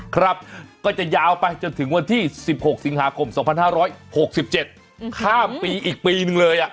ครับก็จะยาวไปจนถึงวันที่๑๖สิงหาคม๒๕๖๗ข้ามปีอีกปีนึงเลย